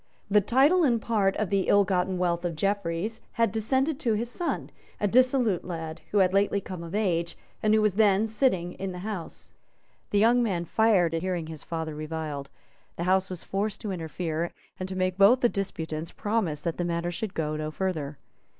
The title and part of the ill gotten wealth of Jeffreys had descended to his son, a dissolute lad, who had lately come of age, and who was then sitting in the House. The young man fired at hearing his father reviled. The House was forced to interfere, and to make both the disputants promise that the matter should go no further.